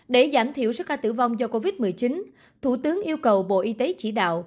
để giảm thiểu số ca tử vong do covid một mươi chín thủ tướng yêu cầu bộ y tế chỉ đạo